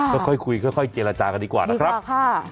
ค่ะก็ค่อยคุยค่อยค่อยเกลียดละจากันดีกว่านะครับดีกว่าค่ะ